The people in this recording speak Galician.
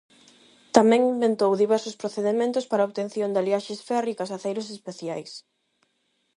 Tamén inventou diversos procedementos para a obtención de aliaxes férricas e aceiros especiais.